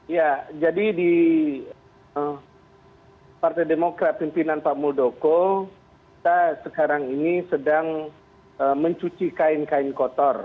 ya jadi di partai demokrat pimpinan pak muldoko kita sekarang ini sedang mencuci kain kain kotor